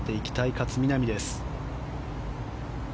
勝みなみです。